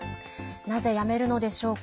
なぜ、辞めるのでしょうか。